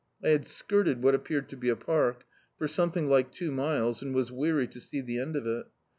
I had skirted what appeared to be a park, for scxne thing like two miles, and was weary to see the end of it.